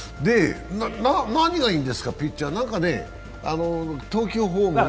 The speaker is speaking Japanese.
何がいいんですか、ピッチャー、投球フォームが。